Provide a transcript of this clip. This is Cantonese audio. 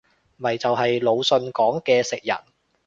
咪就係魯迅講嘅食人